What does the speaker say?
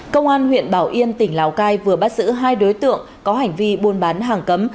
công an huyện bảo yên tỉnh lào cai vừa bắt giữ hai đối tượng có hành vi buôn bán hàng cấm